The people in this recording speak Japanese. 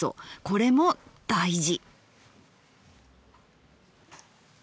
これも大事。